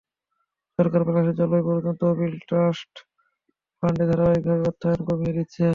সরকার বাংলাদেশ জলবায়ু পরিবর্তন তহবিল ট্রাস্ট ফান্ডে ধারাবাহিকভাবে অর্থায়ন কমিয়ে দিচ্ছে।